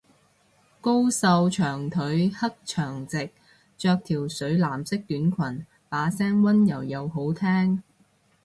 高瘦長腿黑長直，着條水藍色短裙，把聲溫柔又好聽